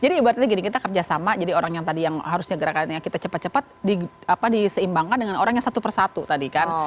jadi berarti gini kita kerjasama jadi orang yang tadi yang harusnya gerakannya kita cepat cepat diseimbangkan dengan orang yang satu persatu tadi kan